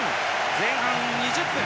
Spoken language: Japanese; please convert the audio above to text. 前半２０分。